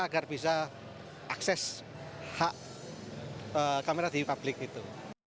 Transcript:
agar bisa akses hak kamera di publik itu